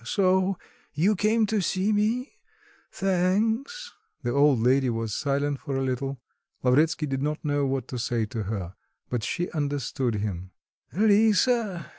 So... you came to see me? Thanks." The old lady was silent for a little; Lavretsky did not know what to say to her; but she understood him. "Lisa...